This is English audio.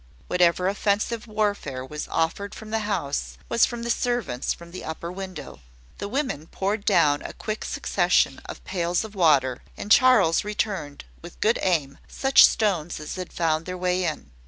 Whatever offensive warfare was offered from the house was from the servants, from the upper window. The women poured down a quick succession of pails of water; and Charles returned, with good aim, such stones as had found their way in.